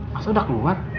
masuk udah keluar